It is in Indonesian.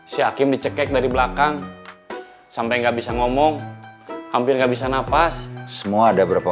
si hakim dicek dari belakang sampai nggak bisa ngomong hampir nggak bisa napas semua ada berapa